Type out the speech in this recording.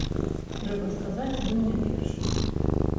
Трэба сказаць, ён не першы.